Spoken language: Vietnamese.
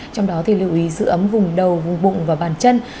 trong đó thì lưu ý giữ ấm vùng đầu vùng bụng và bàn chân